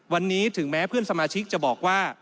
วันนี้ถึงแม้เพื่อนสมาชิกจะบอกว่า